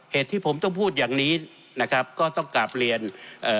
เหตุที่ผมต้องพูดอย่างนี้นะครับก็ต้องกลับเรียนเอ่อ